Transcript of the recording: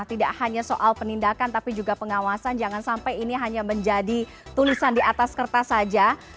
tidak hanya soal penindakan tapi juga pengawasan jangan sampai ini hanya menjadi tulisan di atas kertas saja